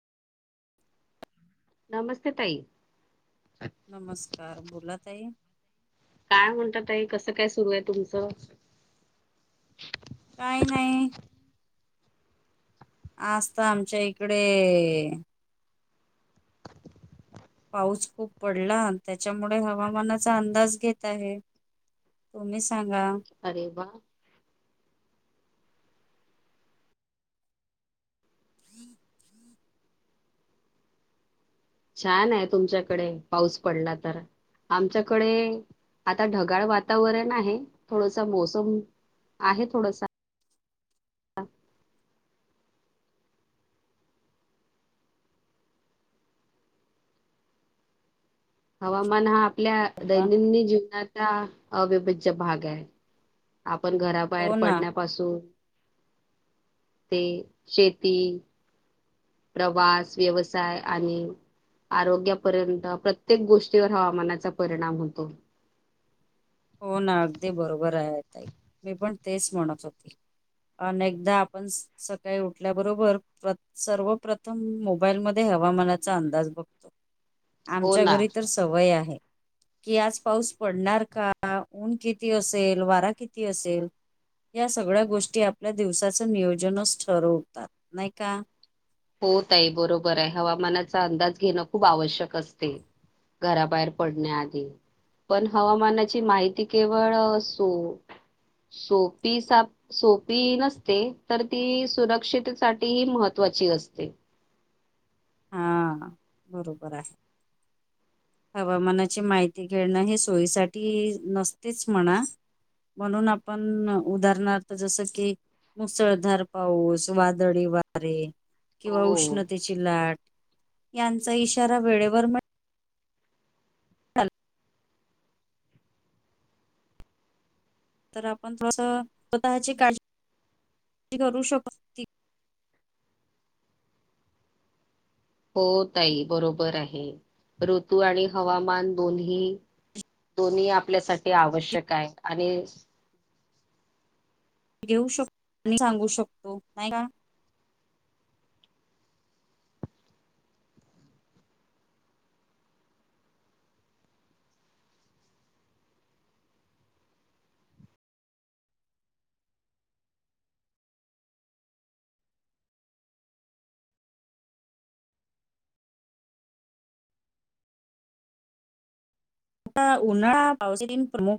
नमस्ते ताई नमस्कार, बोला ताई काय म्हणता ताई, कसं काय सुरू आहे तुमचं? काही नाही आज तर आमच्या इकडे पाऊस खूप पडला त्याच्यामुळे हवामानाचा अंदाज घेत आहे तुम्ही सांगा. अरे वा! छान आहे तुमच्याकडे पाऊस पडला तर. आमच्याकडे आता ढगाळ वातावरण आहे थोडसा मोसम आहे थोडसा हवामान हा आपल्या का दैनंदिन जीवना त्या अविभज्य भाग आहे आपण घराबाहेर हो ना पडणं पासून ते शेती प्रवास, व्यवसाय आणि आरोग्यापर्यंत प्रत्येक गोष्टीवर हवामानाचा परिणाम होतो. हो ना अगदी बरोबर आहे ताई मी पण तेच म्हणत होती. अनेकदा आपण स सकाळी उठल्याबरोबर प्रथ सर्वप्रथम मोबाईल मध्ये हवामानाचा अंदाज बघ हो आमच्या ना घरी तर सवय आहे की आज पाऊस पडणार का आ ऊन किती असेल, वारा किती असेल या सगळ्या गोष्टी आपल्या दिवसाचं नियोजनच ठरवतात नाही का? हो ताई बरोबर आहे हवामानाचा अंदाज घेणं खूप आवश्यक असते घराबाहेर पडण्या आदी. पण हवामानाची माहिती केवळ सो सोपी साप सोपी नसते तर ती सुरक्षितेसाठी महत्वाची असते. हा बरोबर आहे. हवामानाची माहिती घेणं हे सोयीसाठी नसतेच म्हणा. म्हणून आपण उदाहरणार्थ जसं की मुसळधार पाऊस, वादळी वारे किंवा हो उष्णतेची लाट यांचा इशारा वेळेवर पण [unintelligible] तर आपण थोडंसं स्वतःची काळजी करू शकतो की हो ताई बरोबर आहे, ऋतू आणि हवामान दोन्ही दोन्ही आपल्यासाठी आवश्यक आहे आणि घेऊ शकतो आणि सांगू शकतो नाही का. हा उन्हाळा पावसातीन प्रमुख